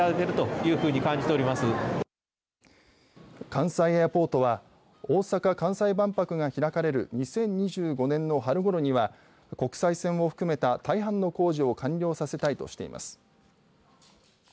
関西エアポートは大阪・関西万博が開かれる２０２５年の春ごろには国際線を含めた大半の工事を完了させたいとしています。